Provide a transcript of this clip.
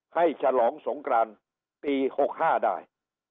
ให้ฉลองสงการปีหกห้าได้